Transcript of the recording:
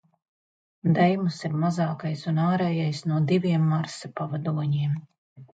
Deimoss ir mazākais un ārējais no diviem Marsa pavadoņiem.